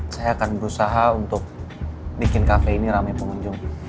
saya akan berusaha untuk bikin cafe ini ramai pengunjung